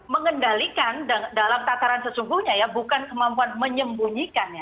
mengendalikan dalam tataran sesungguhnya ya bukan kemampuan menyembunyikannya